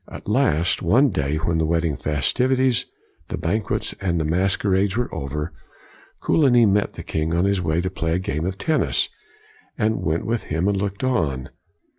At last, one day, when the wedding fes tivities, the banquets, and the masquerades were over, Coligny met the king on his way to play a game of tennis, and went with him and looked on.